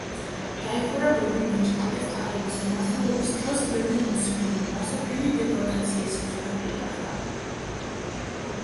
დაიხურა ბევრი მეჩეთი და სტალინის მმართველობის დროს, ბევრი მუსლიმი მასობრივი დეპორტაციის მსხვერპლი გახდა.